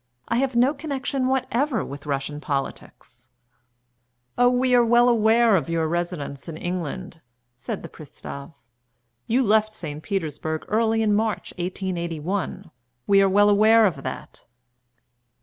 I have no connection whatever with Russian politics." "Oh, we are well aware of your residence in England," said the pristav. "You left St. Petersburg early in March 1881. We are well aware of that."